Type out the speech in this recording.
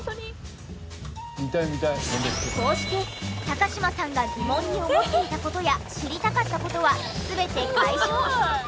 こうして高嶋さんが疑問に思っていた事や知りたかった事は全て解消。